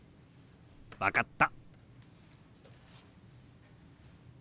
分かった。